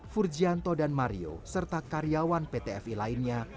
furgianto dan mario serta karyawan pt fi lainnya